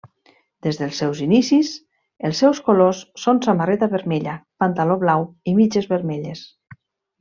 Des dels seus inicis, els seus colors són samarreta vermella, pantaló blau i mitges vermelles.